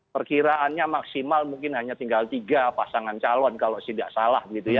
perkiraannya maksimal mungkin hanya tinggal tiga pasangan calon kalau tidak salah gitu ya